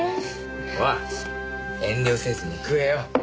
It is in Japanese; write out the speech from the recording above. ほら遠慮せずに食えよ。